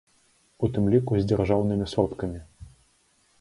У тым ліку, з дзяржаўнымі сродкамі.